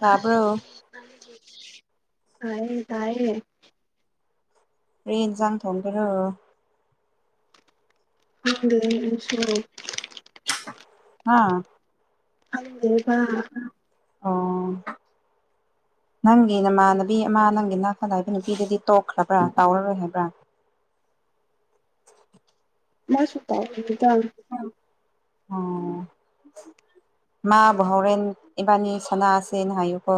ꯇꯥꯕ꯭ꯔꯣ ꯇ ꯇꯥꯏꯔꯦꯦ ꯦꯟ ꯆꯥꯡ ꯊꯪꯗꯔꯣ ꯍ ꯑꯥ ꯑꯣ [unintelligible] ꯅꯪꯒꯤ ꯅꯃꯥꯟꯅꯕꯤ ꯑꯃ ꯅꯪꯒꯤꯅꯥ ꯐꯅꯥꯏꯕ ꯅꯨꯄꯤꯗꯨꯗꯤ ꯇꯣꯛꯈ꯭ꯔꯕ꯭ꯔꯥ ꯇꯥꯎꯔꯔꯣꯏ ꯍꯥꯏꯕ꯭ꯔꯥ [unintelligible] ꯃꯥꯁꯨ ꯇꯥꯎꯗ ꯃꯥ ꯕꯥꯎꯣꯔꯦꯟ ꯏꯕꯥꯅꯤ ꯁꯅꯥꯁꯦꯅ ꯍꯥꯏꯌꯨꯀꯣ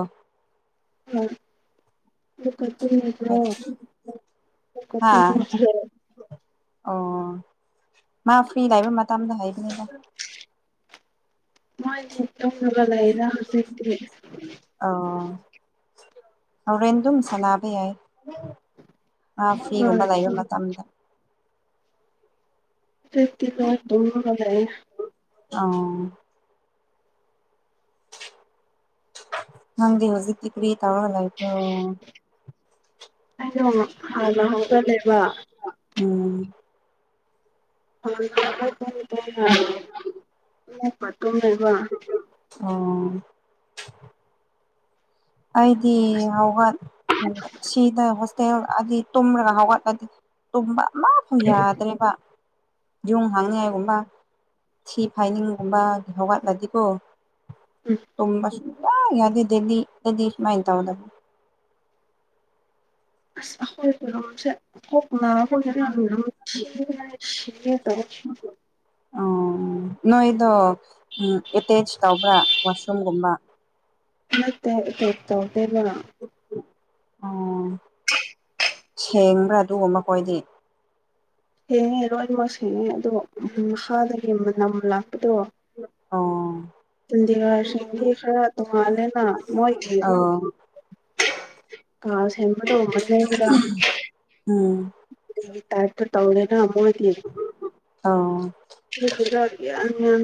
ꯍꯣꯏ ꯑꯃꯨꯛꯀ ꯇꯨꯝꯃꯕ꯭ꯔꯣ ꯑꯃꯨꯛꯀ ꯍꯥꯥ ꯇꯨꯝꯃꯕ꯭ꯔꯣ ꯑꯣ ꯃꯥ ꯐ꯭ꯔꯤ ꯂꯥꯛꯕ ꯃꯇꯝꯗ ꯍꯥꯏꯕꯅꯤꯗ ꯃꯥꯥꯏꯗꯤ ꯏ ꯂꯒꯗꯗ ꯍꯧꯖꯤꯦ ꯏꯦ ꯍꯔꯦꯟꯗꯨꯝ ꯁꯥꯟꯅꯥꯕ ꯌꯥꯏ ꯑ ꯐ꯭ꯔꯤꯒꯨꯝꯕ ꯍꯣꯏ ꯂꯩꯕ ꯃꯇꯝꯗ ꯁꯇꯀ ꯊꯦ ꯑ ꯅꯪꯗꯤ ꯍꯖꯤꯛꯇꯤ ꯀ꯭ꯔꯤ ꯇꯥꯔ ꯂꯥꯏꯐ ꯑꯩꯅꯣ ꯍꯥꯟꯅ ꯍꯧꯔ ꯂꯩꯕ ꯎꯝ ꯍ ꯄꯠꯇꯅꯦꯕ ꯑꯣ ꯑꯩꯗꯤ ꯑꯁ ꯍꯧꯒꯠ ꯁꯤꯗ ꯦꯜ ꯑꯗꯨꯗꯤ ꯇꯨꯝꯔꯒ ꯍꯧꯒꯠꯂꯗꯤ ꯇꯨꯝꯕ ꯑꯃꯐꯥꯎ ꯌꯥꯗ꯭ꯔꯦꯕ ꯌꯣꯡ ꯍꯥꯡꯅꯤꯉꯥꯏꯒꯨꯝꯕ ꯁꯤ ꯐꯥꯏꯅꯤꯡꯒꯨꯝꯕ ꯍꯧꯒꯠꯂꯗꯤꯀꯣ ꯎꯝ ꯇ ꯁ ꯌꯥꯗꯤ ꯗꯦꯗꯤ ꯅꯗꯤꯁ ꯃ ꯏꯟ ꯇ ꯑꯣꯗ ꯑ ꯍꯣꯏ ꯐ ꯉ ꯇ ꯑꯣ ꯅꯣꯏꯗꯣ ꯎ ꯑꯦꯇꯦꯆ ꯇꯧꯕ꯭ꯔꯥ ꯋꯥꯁꯔꯨꯝꯒꯨꯝꯕ ꯅꯠꯇ ꯀꯦ ꯇ ꯑꯣ ꯁꯦꯡꯕ꯭ꯔꯥ ꯑꯗꯨꯒꯨꯝ ꯃꯈ ꯑꯩ ꯃꯈꯣꯏꯗꯤ ꯁꯦꯡꯉꯦ ꯂꯣꯏꯅꯃꯛ ꯁꯦꯡꯉꯦ ꯑꯗꯣ ꯃꯈꯥ ꯅꯝ ꯂꯥꯛꯄꯗꯣ ꯑꯣ ꯆꯟꯗꯤꯒꯔꯁꯤꯡꯗꯤ ꯈꯔ ꯇꯣꯡꯉꯜꯂꯦꯅ ꯃꯣꯏꯈꯤ ꯑꯣ ꯀ ꯁꯦꯝ ꯁꯦꯝꯕꯗ ꯑꯣꯕꯗꯒ ꯎꯝ ꯇꯥꯏꯇ ꯇꯧꯔꯦꯅ ꯑꯃꯕ ꯂ ꯑꯣ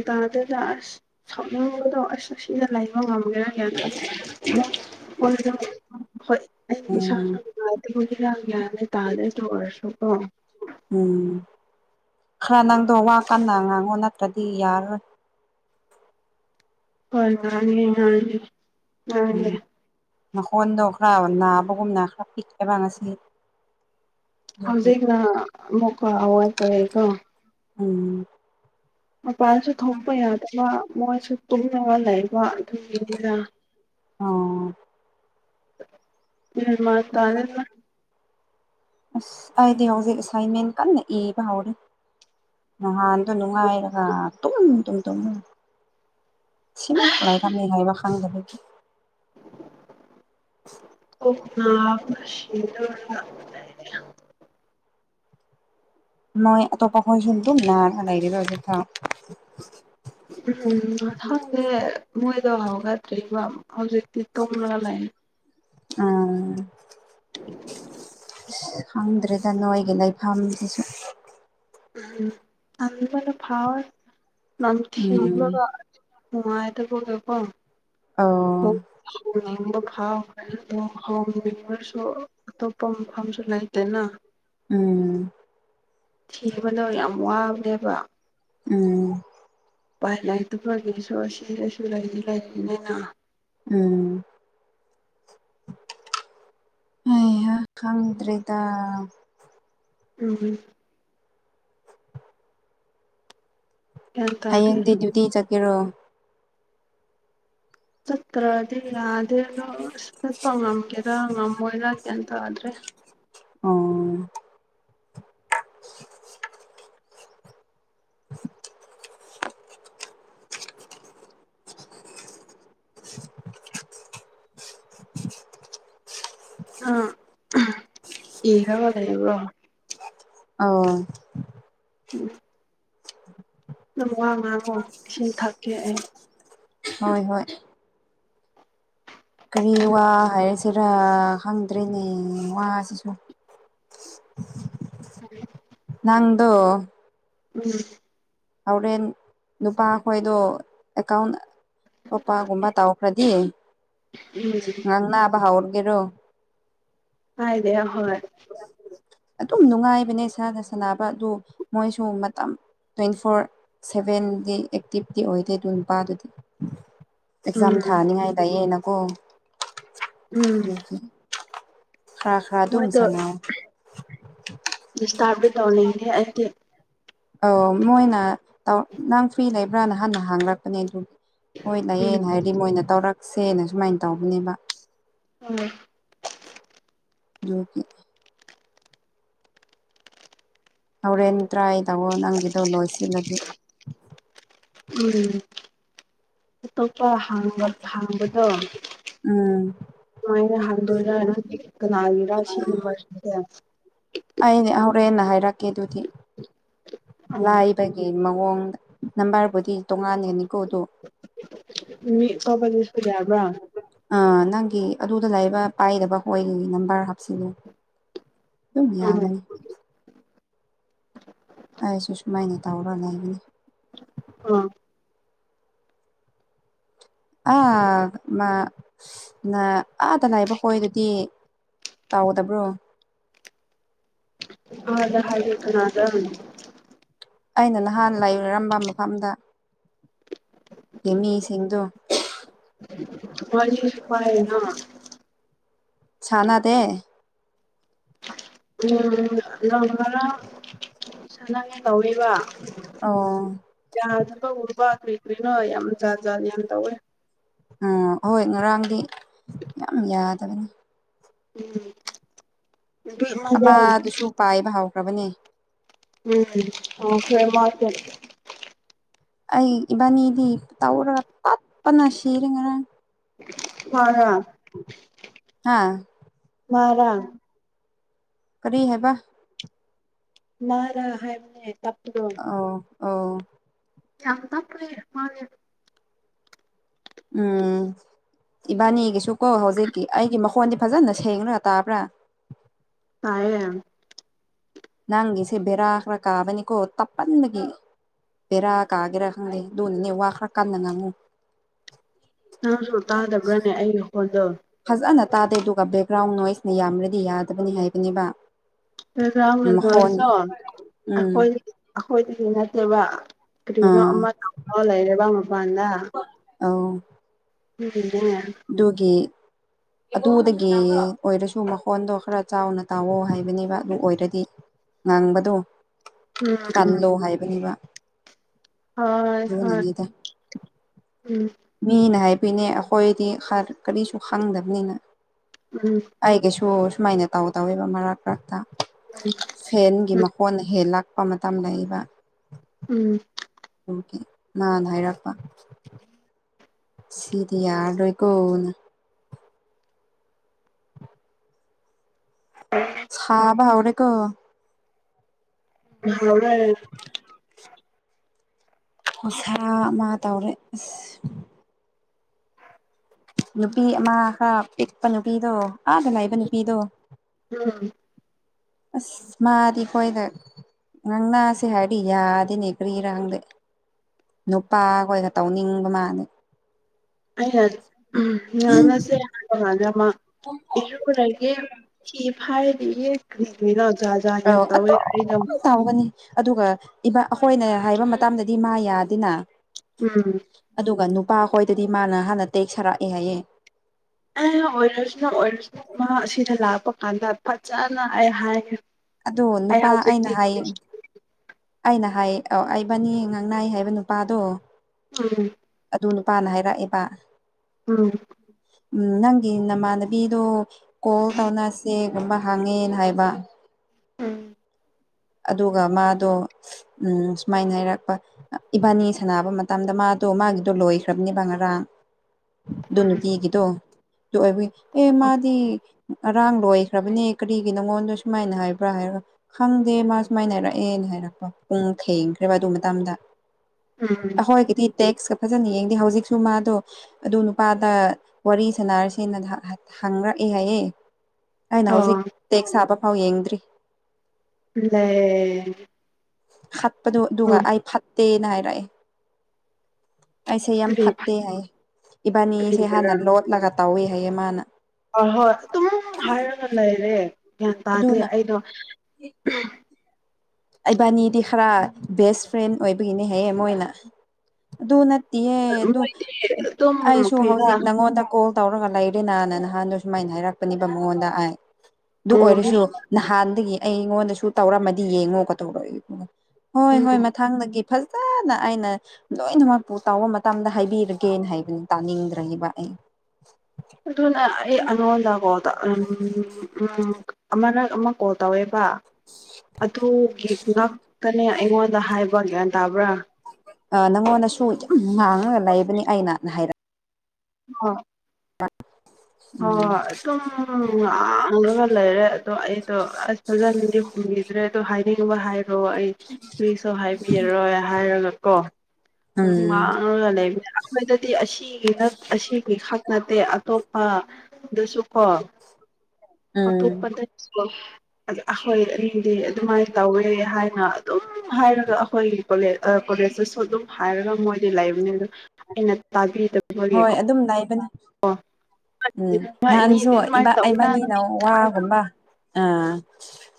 ꯇ ꯁꯤꯗ ꯑꯁ ꯁꯥꯎꯅꯤꯡꯕꯗꯣ ꯑꯁ ꯑꯁꯤꯗ ꯂꯩꯕ ꯉꯝꯒꯦꯔ ꯀꯦꯗꯁ ꯍꯣꯏ ꯍꯣꯏ ꯎꯝ ꯑꯩ ꯍꯔꯥꯡꯒ ꯇꯥꯔ ꯔꯁꯨ ꯑ ꯎꯝ ꯈꯔ ꯅꯪꯗꯣ ꯋꯥ ꯀꯟꯅ ꯉꯥꯡꯉꯨ ꯅꯠꯇ꯭ꯔꯗꯤ ꯌꯥꯔꯔꯣꯏ ꯍꯣꯏ ꯉ ꯉꯅꯤ ꯎꯝꯣꯟꯗ ꯈꯥ ꯅꯅꯥꯕꯒꯨꯝꯅꯅꯥ ꯈ ꯄꯤꯛꯥꯏꯕꯉꯁꯤ ꯍꯧꯖꯤꯛꯅ ꯃꯀ ꯑꯋꯥꯏ ꯀꯦꯀ ꯎꯝ ꯃꯄꯥꯟꯁꯨ ꯊꯣꯛꯄ ꯌꯥꯗꯕ ꯃꯣꯏꯁꯨ ꯇꯨꯝꯒ ꯕ ꯑꯗꯨꯝꯔ ꯑꯣ ꯎ ꯃꯥ ꯇꯔ ꯑꯁ ꯍꯥꯏꯗꯤ ꯍꯧꯖꯤꯛ ꯑꯦꯁꯥꯏꯟꯃꯦꯟ ꯀꯟꯅ ꯏꯕ ꯍꯧꯔꯦ ꯅꯍꯥꯟꯇ ꯅꯨꯡꯉꯥꯏꯔꯒ ꯇ ꯇꯨꯝ ꯇ ꯁꯤꯃ ꯂꯥꯏꯔ ꯂꯩ ꯍꯥꯏꯕ ꯈꯪꯖ ꯑꯗ ꯃꯣꯏ ꯇꯣ ꯀꯈꯣꯏ ꯁꯟꯇ ꯅ ꯏꯔꯤꯗꯖ ꯊ ꯎꯝ ꯃꯊꯥꯡꯁꯦ ꯃꯣꯏꯗꯣ ꯍꯧꯥꯎꯒꯠꯇ꯭ꯔꯤꯕꯔꯤꯕ ꯍꯧꯖꯤꯛꯇꯤ ꯇꯣꯔꯥ ꯂꯩꯥꯏ ꯑꯝ [inaudible] ꯈꯪꯗ꯭ꯔꯦꯗ ꯅꯣꯏꯒꯤ ꯂꯩꯐꯝꯗꯨꯁꯨ ꯎꯝ ꯃꯅ ꯐꯥꯎ ꯎꯝ ꯅꯝꯊꯤꯕꯒ ꯃꯥꯏꯇ ꯀ ꯀꯦꯄꯣ ꯑꯣ [inaudible] ꯁꯨ ꯑꯇꯣꯞꯄ ꯃꯐꯝꯁꯨ ꯂꯩꯇꯦꯅ ꯎꯝ ꯊꯤꯕꯗꯣ ꯌꯥꯝ ꯋꯥꯕꯅꯦꯕ ꯎꯝ ꯄꯥꯏ ꯂꯗꯨ ꯐꯁꯨ ꯑꯁꯤꯁꯨ ꯂꯩ ꯂꯅꯦ ꯎꯝ ꯑ ꯈꯪꯗ꯭ꯔꯦꯗ ꯎꯝ ꯒ꯭ꯌꯥꯟ ꯇꯥꯗꯦ ꯍꯌꯦꯡꯗꯤ ꯗ꯭ꯌꯨꯇꯤ ꯆꯠꯀꯦꯔꯣ ꯆꯠꯇ꯭ꯔꯗꯤ ꯌꯥꯗꯦ ꯑꯗꯣ ꯑꯁ ꯆꯠꯄ ꯉꯝꯒꯦꯔꯥ ꯉꯝꯃꯣꯏꯔꯥ ꯇꯥꯗ꯭ꯔꯦ ꯑꯣ ꯑ ꯄꯤꯒ꯭ꯔꯕ ꯂꯩꯔꯤꯕꯣ ꯑꯝ ꯎꯝ ꯑꯗꯨꯪ ꯋꯥ ꯉꯥꯡꯉꯣ ꯏꯁꯤꯡ ꯊꯛꯀꯦ ꯑꯩ ꯍꯣꯏ ꯍꯣꯏ ꯀꯔꯤ ꯎꯝ ꯋꯥ ꯍꯥꯏꯔꯁꯤꯔꯥ ꯈꯪꯗ꯭ꯔꯔꯤꯅꯦ ꯋꯥꯁꯤꯁꯨ [inaudible] ꯅꯪꯗꯣ ꯎꯝ ꯍꯣꯔꯦꯟ ꯅꯨꯄꯥꯈꯣꯏꯗꯣ ꯑꯦꯀꯥꯎꯟ ꯇꯣꯞꯄꯥꯒꯨꯝꯕ ꯇꯥꯎꯈ꯭ꯔꯗꯤ ꯎꯝ ꯉꯥꯡ ꯅꯥꯕ ꯍꯧꯥꯎꯔꯒꯦꯔꯣ ꯍꯥꯏꯗꯦ ꯍꯣꯏ ꯑꯗꯨꯝ ꯅꯨꯡꯉꯥꯏꯕꯅꯦ ꯏꯁꯥꯅ ꯁꯥꯟꯅꯕ ꯑꯗꯨ ꯃꯣꯏꯁꯨ ꯃꯇꯝ ꯇ꯭ꯋꯦꯟꯇꯤ ꯐꯣꯔ ꯁꯚꯦꯟꯒꯤ ꯑꯦꯛꯇꯤꯞꯇꯤ ꯑꯣꯏꯗꯦ ꯑꯗꯨ ꯅꯨꯄꯥꯗꯨꯗꯤ ꯑꯦꯛꯖꯥꯝ ꯎꯝ ꯊꯥꯅꯤꯡꯉꯥꯏꯗꯌꯦꯅꯀꯣ ꯎꯝ ꯈꯔ ꯈꯔ ꯑꯗꯨꯝ ꯃꯣꯏꯗꯣ ꯁꯅ ꯑꯥꯗ ꯇꯧꯅꯤꯡꯗꯦ ꯑꯩꯗꯤ ꯑꯧ ꯃꯣꯏꯅ ꯅꯪ ꯐ꯭ꯔꯤ ꯂꯩꯕ꯭ꯔꯥꯅ ꯍꯥꯟꯅ ꯍꯥꯡꯅꯛꯄꯅꯦ ꯑꯗꯨ ꯍꯣꯏ ꯎꯝ ꯂꯩꯥꯛꯑꯦꯅ ꯍꯥꯏꯗꯤ ꯃꯣꯏꯅ ꯇꯧꯔꯛꯁꯦꯅ ꯁꯨꯃꯥꯏꯅ ꯇꯧꯕꯅꯦꯕ ꯎꯝ [inaudible] ꯍꯣꯔꯦꯟ ꯇ꯭ꯔꯥꯏ ꯇꯧꯑꯣ ꯅꯪꯒꯤꯗꯣ ꯂꯣꯏꯁꯤꯜꯂꯗꯤ ꯎꯝ ꯑꯇꯣꯞꯄ ꯍꯥꯡꯕ ꯍꯥꯡꯕꯗꯣ ꯎꯝ ꯀꯃꯥꯏꯅ ꯍꯟꯗꯣꯏꯔ ꯅꯪꯒꯤ ꯀꯅꯥꯒꯤꯔ ꯁꯤꯒꯨꯝꯕꯁꯦ ꯑꯩꯅꯦ ꯇꯥꯛꯀꯦ ꯑꯗꯨꯗꯤ ꯎꯝ ꯉꯥꯏꯕꯒꯤ ꯃꯑꯣꯡ ꯅꯝꯕꯔꯕꯨꯗꯤ ꯇꯣꯉꯥꯟꯒꯅꯤꯀꯣ ꯑꯗꯨ ꯀꯈ ꯏꯁꯨ ꯌꯥꯕ꯭ꯔ ꯅꯪꯒꯤ ꯑꯗꯨꯗ ꯂꯕ ꯄꯥꯏꯗꯕ ꯍꯣꯏꯒꯤ ꯅꯝꯕꯔ ꯍꯥꯞꯆꯜꯂꯨ ꯑꯗꯨꯝ ꯎꯝ ꯌꯥꯒꯅꯤ ꯑꯩꯁꯨ ꯁꯨꯃꯥꯏꯅ ꯇꯧꯔ ꯂꯩꯒꯅꯤ ꯑꯥ ꯑꯥ ꯃꯥ ꯑꯥꯗ ꯂꯥꯛꯏꯕ ꯍꯣꯏ ꯑꯗꯨꯗꯤ ꯇꯥꯎꯒꯗꯕ꯭ꯔꯣ ꯑꯗ ꯍꯔ ꯀꯅꯥꯗ ꯑꯩꯅ ꯅꯍꯥꯟ ꯂꯩꯔꯔꯝꯕ ꯃꯐꯝꯗ ꯌꯦꯃꯤꯁꯤꯡꯗꯨꯣ ꯃꯥꯁꯨꯄꯥꯥꯏꯅ ꯁꯅꯥꯗ ꯎ ꯅꯪ ꯈꯔ ꯁꯅꯪꯉꯦ ꯇꯧꯔꯤꯕ ꯑꯣ ꯌꯥꯗꯅ ꯎꯕ ꯀꯔꯤ ꯀꯨꯔꯤꯅꯣ ꯌꯥꯝ ꯆꯖꯥ ꯆꯥ ꯌꯥꯝ ꯇꯧꯋꯦ ꯎ ꯍꯣꯏ ꯉꯔꯥꯡꯗꯤ ꯌꯥꯝ ꯌꯥꯗꯕꯅꯤ ꯎꯝ ꯅꯨꯄꯤ ꯑꯃꯗꯣ ꯑꯃꯗꯨꯁꯨ ꯄꯥꯏꯕ ꯍꯧꯈ꯭ꯔꯕꯅꯦ ꯎꯝ ꯑꯣ ꯐꯦ ꯃꯥꯦ ꯑꯩ ꯏꯕꯥꯅꯤꯗꯤ ꯇꯧꯔꯒ ꯇꯞꯄꯅ ꯁꯤꯔꯤ ꯉꯔꯥꯡ ꯍ ꯍꯥ ꯃꯔꯔ ꯀꯔꯤ ꯍꯥꯏꯦꯕ ꯃꯥꯔ ꯍꯥꯏ ꯑ ꯑ ꯌꯥꯝꯗ ꯐꯣꯏ ꯃꯥꯅꯦ ꯎꯝ ꯏꯕꯥꯅꯤꯒꯤꯁꯨ ꯀꯣ ꯍꯧꯖꯤꯛꯀꯤ ꯑꯩꯒꯤ ꯃꯈꯣꯟꯗꯤ ꯐꯖꯅ ꯁꯦꯡꯅꯒ ꯇꯥꯕ꯭ꯔꯥ ꯀꯑ ꯅꯪꯒꯤꯁꯦ ꯕꯦꯔꯥꯈ꯭ꯔ ꯀꯥꯕꯅꯤꯀꯣ ꯇꯞꯄꯟꯕꯗꯒꯤ ꯕꯔꯥ ꯀꯒꯦꯔ ꯈꯪ ꯂꯩ ꯗꯣꯅꯅꯦ ꯋꯥ ꯈꯔ ꯀꯥꯟꯅꯉꯉꯨ ꯅꯪꯁꯨ ꯇꯥꯗꯕ꯭ꯔꯥꯅꯦ ꯑꯩꯒꯤ ꯐꯣꯟꯗꯣ ꯐꯖꯅ ꯇꯥꯗꯦ ꯑꯗꯨꯒ ꯕꯦꯛꯒ꯭ꯔꯥꯎꯟ ꯅꯣꯏꯁꯅ ꯌꯥꯝ꯭ꯔꯗꯤ ꯌꯥꯗꯕꯅꯤ ꯍꯥꯏꯕꯅꯤꯕ ꯖꯥꯡꯅꯗꯔꯁꯨ ꯎꯝ ꯑꯩꯈꯣꯏ ꯑꯩꯈꯣꯏꯗꯗꯤ ꯅꯠꯇꯦꯕ ꯀꯔꯤꯅꯣ ꯑꯥ ꯑꯃ ꯇꯧ ꯂꯩꯔꯦꯕ ꯃꯄꯥꯟꯗ ꯑ ꯎꯝꯝ ꯑꯗꯨꯒꯤ [unintelligible] ꯑꯗꯨꯗꯒꯤ ꯑꯣꯏꯔꯁꯨ ꯃꯈꯣꯟꯗꯣ ꯈꯔ ꯆꯥꯎꯅ ꯇꯥꯎꯋ ꯍꯥꯏꯕꯅꯦꯕ ꯑꯗꯨ ꯑꯣꯏꯔꯗꯤ ꯉꯥꯡꯕꯗꯣ ꯀꯜꯂꯣ ꯍꯥꯏꯕꯅꯦꯕ ꯍꯣꯏ ꯍꯣꯏ ꯑꯗꯨꯅꯅꯤꯗ ꯎꯝ ꯃꯤꯅ ꯍꯥꯏꯕꯅꯦ ꯑꯩꯈꯣꯏꯗꯤ ꯀꯔꯤꯁꯨ ꯈꯪꯗꯕꯅꯤꯅ ꯑꯩꯒꯤꯁꯨ ꯁꯨꯃꯥꯏꯅ ꯇꯧ ꯇꯧꯋꯦꯕ ꯃꯔꯛ ꯃꯔꯛꯇ ꯁꯦꯟꯒꯤ ꯃꯈꯣꯟ ꯍꯦꯜ ꯂꯥꯛꯄ ꯃꯇꯝ ꯂꯩꯕ ꯎꯦ ꯅꯍꯥꯟꯅ ꯍꯥꯏꯔꯛꯄ ꯁꯤꯔꯤꯌꯥꯔꯦ ꯀꯣꯅ ꯁꯥꯕꯥꯎꯔꯦꯀꯣ ꯍꯕꯔ ꯈꯨꯁꯥ ꯑꯃ ꯇꯧꯔꯦ ꯑꯁ ꯅꯨꯄꯤ ꯑꯃꯒ ꯄꯤꯛꯄ ꯅꯨꯄꯤꯗꯣ ꯑꯥꯗ ꯂꯩꯕ ꯅꯨꯄꯤꯗꯣ ꯑꯁ ꯃꯥꯗꯤ ꯍꯣꯏꯗ ꯉꯪ ꯅꯁꯦ ꯍꯥꯏꯗꯤ ꯌꯥꯗꯦꯅꯦ ꯀ꯭ꯔꯤ ꯏꯔꯥꯡꯗꯦ ꯅꯨꯄꯥꯈꯣꯏꯒ ꯇꯧꯅꯤꯡꯕ ꯃꯥꯜꯂꯦ ꯑꯩꯅ ꯉꯥꯡꯅꯁꯦ ꯍꯥꯟꯅ ꯑꯃ ꯏꯔꯦ ꯁꯤꯤ ꯐꯥꯏꯗꯤ ꯌꯦꯔꯣ ꯖꯥꯠ ꯖꯥꯠ ꯌꯥꯝ ꯑ ꯇꯧꯋꯦ ꯇꯥꯎꯒꯅꯤ ꯑꯗꯨꯒ ꯏ ꯑꯩꯈꯣꯏꯅ ꯍꯥꯏꯕ ꯃꯇꯝꯗꯗꯤ ꯃꯥ ꯌꯥꯗꯦꯅ ꯎꯝ ꯅꯨꯄꯥ ꯍꯣꯏꯗꯗꯤ ꯃꯥꯅ ꯍꯥꯟꯅ ꯇꯦꯛ ꯁꯥꯔꯛꯑꯦ ꯍꯥꯏꯌꯦꯦ ꯑꯦ ꯑꯣꯏꯔꯁꯤꯅ ꯑꯣꯏꯔꯁꯤꯅ ꯑꯁꯤꯗ ꯂꯥꯛꯄ ꯀꯥꯟꯗ ꯐꯖꯅ ꯑꯩ ꯍꯥꯏꯈ꯭ꯔꯦ ꯑꯗꯣ ꯅꯨꯄꯥ ꯑꯩꯅ ꯍꯥꯏꯌꯦ ꯑꯩꯅ ꯍꯥꯏ ꯑ ꯑꯩꯕꯅꯤ ꯉꯥꯡꯅꯥꯏ ꯍꯥꯏꯕ ꯅꯨꯄꯥꯗꯣ ꯑꯝ ꯑꯗꯨ ꯅꯨꯄꯥꯅ ꯍꯥꯏꯔꯛꯑꯦꯕ ꯎꯝ ꯎꯝ ꯅꯪꯒꯤ ꯅꯃꯥꯟꯅꯕꯤꯗ ꯀꯣꯜ ꯇꯧꯅꯁꯦ ꯀꯨꯝꯕ ꯍꯥꯡꯉꯦꯅ ꯍꯥꯏꯕ ꯎꯝ ꯑꯗꯨꯒ ꯃꯥꯗꯣ ꯎ ꯁꯨꯃꯥꯏꯅ ꯍꯥꯏꯔꯛꯄ ꯏꯕꯥꯅꯤ ꯁꯥꯟꯅꯕ ꯃꯇꯝꯗ ꯃꯥ ꯑꯗꯣ ꯃꯥꯒꯤꯗꯣ ꯂꯣꯏꯈ꯭ꯔꯕꯅꯦꯕ ꯉꯔꯥꯡ ꯑꯗꯨ ꯅꯨꯡꯇꯤꯒꯤꯗꯣ ꯑꯗꯨꯕꯨꯏ ꯑꯦ ꯃꯥꯗꯤ ꯑꯔꯥꯡ ꯂꯣꯏꯈ꯭ꯔꯕꯅꯦ ꯀꯔꯤꯒꯤ ꯅꯉꯣꯟꯗ ꯁꯨꯃꯥꯏꯅ ꯍꯥꯏꯕ꯭ꯔꯥ ꯍꯥꯏꯔ ꯦ ꯃꯥ ꯁꯨꯃꯥꯏꯅ ꯍꯥꯏꯔꯛꯑꯦꯅ ꯍꯥꯏꯔꯛꯄ ꯄꯨꯡ ꯊꯦꯡꯈ꯭ꯔꯦꯕ ꯑꯗꯨ ꯃꯇꯗ ꯍꯣꯏ ꯀ ꯇꯦꯛꯁ ꯀ ꯐꯖꯅ ꯌꯦꯡꯗꯦ ꯍꯧꯖꯤꯛꯁꯨ ꯃꯥꯗꯣ ꯑꯗꯨ ꯅꯨꯄꯥꯗ ꯋꯥꯔꯤ ꯁꯅꯔꯁꯦꯅ ꯍꯪꯉꯛꯑꯦ ꯅ [inaudible] ꯑꯩꯅ ꯍꯧꯖꯤꯛ ꯎꯝ ꯑꯣ ꯇꯦꯛꯁ ꯍꯥꯞꯕ ꯐꯥꯎ ꯌꯦꯡꯗ꯭ꯔꯤ ꯑ ꯐꯠꯄꯗꯨ ꯑꯗꯨꯒ ꯑꯩ ꯐꯠꯇꯦꯅ ꯍꯥꯏꯔꯥꯏ ꯑꯩꯁꯦ ꯌꯥꯝ ꯀꯔꯤ ꯐꯠꯇꯦ ꯍꯥꯏꯌꯦ ꯏꯕꯥꯅꯤꯁꯦ ꯀꯔꯤꯒꯤꯔꯥ ꯍꯥꯟꯅ ꯂꯣꯠꯂꯒ ꯇꯧꯋꯦ ꯍꯥꯏꯌꯦꯦ ꯃꯥꯅ ꯍꯣꯏ ꯍꯣꯏ ꯑꯗꯨꯝ ꯍꯥꯏꯔꯒ ꯂꯩꯔꯦ ꯒ꯭ꯌꯥꯟ ꯇꯥꯗꯤ ꯑꯗꯨꯅ ꯑꯩꯗꯣ [inaudible] ꯑꯩꯕꯥꯅꯤꯗꯤ ꯈꯔ ꯕꯦꯁ ꯐ꯭ꯔꯦꯟ ꯑꯣꯏꯕꯒꯤꯅꯦ ꯍꯥꯏꯌꯦ ꯃꯣꯏꯅ ꯑꯗꯨ ꯅ ꯏꯌꯦ ꯑꯗꯨ ꯃꯣꯏꯗꯤ ꯑꯗꯨꯝ ꯑꯩꯁꯨ ꯀ꯭ꯔꯤꯔꯥ ꯍꯧꯖꯤꯛ ꯅꯪꯉꯣꯟꯗ ꯀꯣꯜ ꯇꯧꯔꯒ ꯂꯩꯔꯦꯅꯥꯅ ꯅꯍꯥꯟ ꯁꯨꯃꯥꯏꯅ ꯍꯥꯏꯔꯛꯄꯅꯦꯕ ꯃꯉꯣꯟꯗ ꯑ ꯑꯗꯨ ꯎꯝ ꯃꯤ ꯑꯣꯏꯔꯁꯨ ꯅꯍꯥꯟꯗꯒꯤ ꯑꯩꯉꯣꯟꯗꯁꯨ ꯇꯧꯔꯝꯃꯗꯤ ꯌꯦꯡꯉꯣꯀ ꯇꯧꯔꯛ ꯍꯣꯏ ꯍꯣꯏ ꯎꯝ ꯃꯊꯪꯗꯒꯤ ꯐꯖꯅ ꯑꯩꯅ ꯂꯣꯏꯅꯃꯛꯄꯨ ꯇꯥꯎꯕ ꯃꯇꯝꯗ ꯍꯥꯏꯕꯤꯔꯒꯦꯅ ꯍꯥꯏꯕꯅꯤ ꯇꯥꯅꯤꯡꯗ꯭ꯔꯦꯕ ꯑꯩ [inaudible] ꯑꯗꯨꯅ ꯑꯩ ꯑꯩꯉꯣꯟꯗꯀꯥꯎꯗ ꯎꯝ ꯑꯃꯅꯛ ꯑꯃ ꯀꯣꯜ ꯇꯧꯋꯦꯕ ꯑꯗꯨꯒꯤ ꯉꯥꯛꯇꯅꯦ ꯑꯩꯉꯣꯟꯗ ꯍꯥꯏ ꯀ꯭ꯌꯥꯟ ꯇꯥꯕ꯭ꯔꯥ ꯑ ꯅꯪꯉꯣꯟꯗꯁꯨ ꯌꯥꯝ ꯉꯥꯡꯉꯒ ꯂꯩꯕꯅꯤ ꯑꯩꯅ ꯍꯥꯏꯔꯛꯦ ꯍ ꯑ ꯍꯣꯏ ꯑꯗꯨꯝ ꯉꯥꯡꯉꯒ ꯂꯩꯔꯦ ꯑꯗꯣ ꯑꯩꯗꯣ ꯑꯁ ꯐꯖꯅꯗꯤ ꯈꯨꯝꯕꯤꯗ꯭ꯔꯦ ꯑꯗꯨ ꯍꯥꯏꯅꯤꯡꯕ ꯍꯥꯏꯔꯣ ꯑꯩ ꯄ꯭ꯂꯤꯁꯇ ꯍꯥꯏꯕꯤꯔꯔꯣꯏ ꯍꯥꯏꯔꯒ ꯀꯣ ꯎ ꯎꯝ ꯋꯥꯉ ꯂꯩꯕꯤ ꯑꯩꯈꯣꯏꯗꯗꯤ ꯑꯁꯤꯒꯤ ꯑꯁꯤꯒꯤ ꯈꯛ ꯅꯠꯇꯦ ꯑꯇꯣꯞꯄ ꯑꯗꯨꯁꯨꯀꯣ ꯎꯝ ꯑꯇꯣꯞꯄꯗꯁꯨ ꯑ ꯑꯩꯈꯣꯏ ꯑꯅꯤꯗꯤ ꯑꯗꯨꯃꯥꯏꯅ ꯇꯧꯋꯦ ꯍꯥꯏꯅ ꯑꯗꯨꯝ ꯍꯥꯏꯔꯒ ꯑꯩꯈꯣꯏꯒꯤ ꯀꯣꯂꯦ ꯀꯣꯂꯦꯖꯇꯁꯨꯣꯠ ꯑꯗꯨꯝ ꯍꯥꯏꯔꯒ ꯃꯣꯏꯗꯤ ꯂꯩꯕꯅꯤ ꯑ ꯍꯣꯏ ꯑꯗꯨꯝ ꯅꯥꯏꯕꯅꯦ ꯎꯝ ꯅꯣꯏ ꯅꯥꯟꯁꯨ ꯑꯅꯤꯗꯤ ꯑꯗꯨꯃꯥꯏꯅ ꯏꯕ ꯇꯧꯅ ꯑꯩꯃꯅꯤꯅ ꯋꯥꯒꯨꯝꯕ ꯑ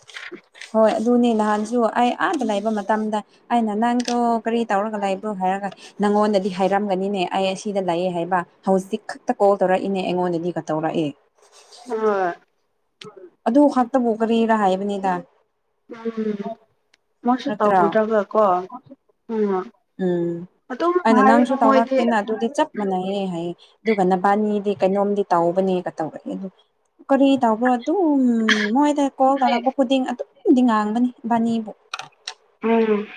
[inaudible] ꯍꯣꯏ ꯑꯗꯨꯅꯦ ꯅꯍꯥꯟꯁꯨ ꯑꯩ ꯑꯥꯗ ꯂꯩꯕ ꯃꯇꯝꯗ ꯑꯩꯅ ꯅꯪꯗꯣ ꯀꯔꯤ ꯇꯧꯔꯒ ꯂꯩꯕ꯭ꯔꯣ ꯍꯥꯏꯔꯒ ꯅꯪꯉꯣꯟꯗꯗꯤ ꯍꯥꯏꯔꯝꯒꯅꯤꯅꯦ ꯑꯩ ꯑꯁꯤꯗ ꯂꯑꯦ ꯍꯥꯏꯕ ꯍꯧꯖꯤꯛ ꯈꯛꯇ ꯀꯣꯜ ꯇꯧꯔ ꯏꯅꯦ ꯑꯩꯉꯣꯟꯗꯗꯤꯒ ꯇꯧꯔꯛꯑꯦ ꯑ ꯑꯗꯨ ꯈꯥꯛꯇꯕꯨ ꯀꯔꯤꯔ ꯍꯥꯏꯕꯅꯤꯗ ꯎꯝ ꯃꯁꯨ ꯅꯠꯇ꯭ꯔꯣ ꯇꯗ꯭ꯔꯒ ꯀꯣ ꯎꯝ ꯎꯝ ꯑꯗꯨꯝ ꯑꯩꯅ ꯅꯪꯁꯨ ꯍꯥꯏꯔꯒ ꯃꯣꯏꯗꯤ ꯇꯧꯔꯛꯇꯦꯅ ꯑꯗꯨꯗꯤ ꯆꯞ ꯃꯥꯟꯅꯩꯌꯦ ꯍꯥꯏꯌꯦ ꯑꯗꯨꯒ ꯅꯕꯥ ꯃꯤꯗꯤ ꯀꯩꯅꯣꯝꯗꯤ ꯇꯥꯎꯕꯅꯦꯒ ꯇꯧꯔꯅꯤ ꯀꯔꯤ ꯇꯕꯣ ꯑꯗꯨ ꯃꯣꯏꯗ ꯀꯣ ꯇꯧꯔꯛꯄ ꯈꯨꯗꯤꯡ ꯑꯗꯨ ꯗꯤ ꯉꯥꯡꯕꯅꯤ ꯕꯥꯅꯤꯕꯨ ꯎꯝ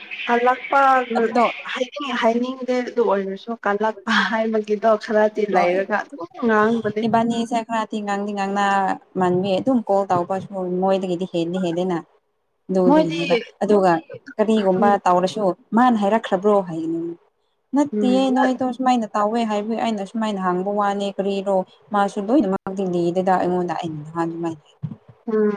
ꯂꯥꯛꯄ ꯑꯗꯣ ꯍꯥꯏꯅꯤꯡ ꯍꯥꯏꯅꯤꯡ ꯆꯦꯗꯨ ꯑꯣꯏꯔꯁꯨ ꯀꯜꯂꯛꯄ ꯍꯥꯏꯕꯒꯤꯗꯣ ꯈꯔꯗꯤ ꯍꯣꯏ ꯂꯩꯔꯒ ꯑꯗꯨꯝ ꯉꯥꯡꯕꯅꯦ ꯏꯕꯥꯅꯤ ꯁꯥꯏ ꯈꯔ ꯊꯤ ꯉꯥꯡꯗꯤ ꯉꯥꯡꯅ ꯃꯥꯟꯕꯤ ꯑꯗꯨꯝ ꯀꯣꯜ ꯇꯧꯕꯁꯨ ꯃꯣꯏꯗꯒꯤꯗꯤ ꯍꯦꯟꯗꯤ ꯍꯦꯟꯜꯂꯤꯅ ꯃꯣꯏꯗꯤ ꯑꯗꯨꯗꯨꯅꯦꯕ ꯑꯗꯨꯒ ꯎꯝ ꯀꯔꯤꯒꯨꯝꯕ ꯇꯧꯔꯁꯨ ꯃꯥꯅ ꯍꯥꯏꯔꯛꯈ꯭ꯔꯕ꯭ꯔꯣ ꯍꯥꯏꯅꯤꯡ ꯅꯠꯇꯦꯌꯦ ꯎꯝ ꯅꯣꯏꯗꯣ ꯁꯨꯃꯥꯏꯅ ꯇꯧꯋꯦ ꯍꯥꯏꯕꯒꯤ ꯑꯩꯅ ꯁꯨꯃꯥꯏꯅ ꯍꯥꯡꯕ ꯋꯥꯅꯦ ꯀꯔꯤꯅꯣ ꯃꯥꯁꯨ ꯂꯣꯏꯅꯃꯛꯛꯇ ꯂꯤꯗꯗ ꯑꯩꯉꯣꯟꯗ ꯑꯩꯅ ꯅꯍꯥꯟ ꯑꯗꯨꯃꯥꯏꯅ ꯎꯝ